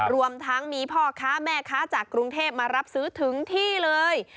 รวมทั้งมีพ่อค้าแม่ค้าจากกรุงเทพมารับซื้อถึงที่เลย